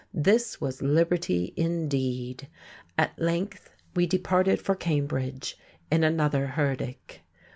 This was liberty indeed! At length we departed for Cambridge, in another herdic.